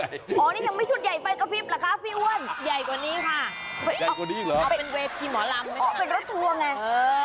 ก็เป็นที่หมอลัมอ๋อเป็นรถทัวร์ไงฮะอืมอันนี้มาเป็นแค่รถแหล่